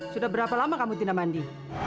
sudah berapa lama kamu tina mandi